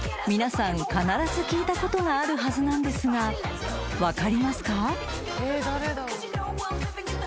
皆さん必ず聞いたことがあるはずなんですが分かりますか？］